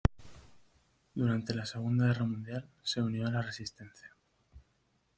Durante la Segunda Guerra Mundial, se unió a la Resistencia.